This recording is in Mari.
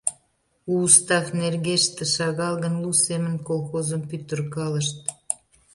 У устав нергеште, шагал гын, лу семын колхозым пӱтыркалышт.